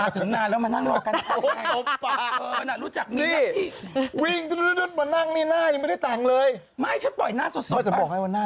ถึงนานแล้วมานั่งรอกัน